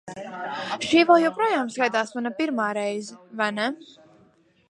Šī vēl joprojām skaitās mana pirmā reize, vai ne?